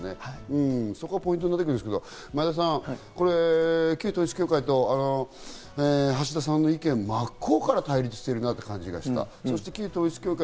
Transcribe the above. そこがポイントだと思うんですけど前田さん、旧統一教会と橋田さんの意見、真っ向から対立しているなと感じた。